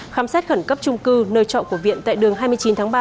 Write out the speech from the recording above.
khám xét khẩn cấp trung cư nơi trọ của viện tại đường hai mươi chín tháng ba